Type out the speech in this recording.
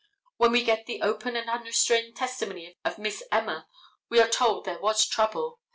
When we get the open and unrestrained testimony of Miss Emma we are told there was trouble.